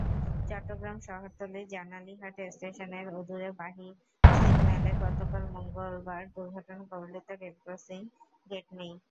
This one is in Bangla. চট্টগ্রাম শহরতলির জানালীহাট স্টেশনের অদূরে বাহির সিগন্যালে গতকাল মঙ্গলবার দুর্ঘটনাকবলিত রেলক্রসিংয়ে গেট নেই।